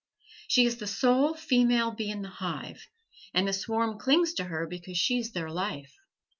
She is the sole female bee in the hive, and the swarm clings to her because she is their life.